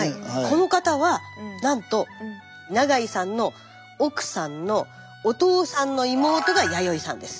この方はなんと永井さんの奥さんのお父さんの妹が弥生さんです。